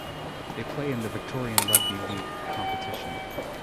They play in the Victorian Rugby League competition.